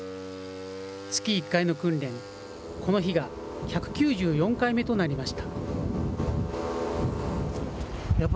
月１回の訓練、この日が１９４回目となりました。